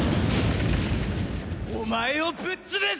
お前をぶっ潰す！